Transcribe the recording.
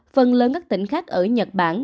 phần lớn các tỉnh khác ở nhật bản